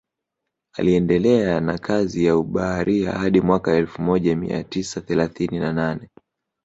Aliendelea na kazi ya ubaharia hadi mwaka elfu moja mia tisa thelathini na nane